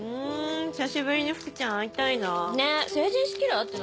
久しぶりに福ちゃん会いたいな。